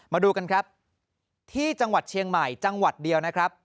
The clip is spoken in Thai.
มาดูกันครับที่จังหวัดเชียงใหม่จังหวัดเดียวนะครับ